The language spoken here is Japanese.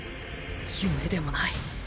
夢でもない。